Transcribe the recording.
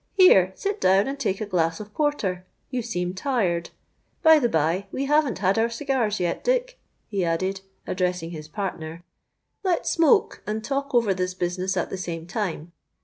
Here, sit down and take a glass of porter; you seem tired. By the bye, we haven't had our cigars yet, Dick,' he added, addressing his partner; 'let's smoke and talk over this business at the same time.